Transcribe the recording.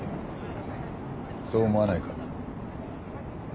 そう思わないか？